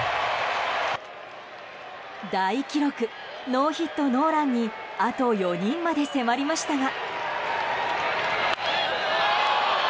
大記録ノーヒットノーランにあと４人まで迫りましたが。